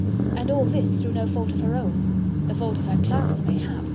And all this through no fault of her own: the fault of her class mayhap!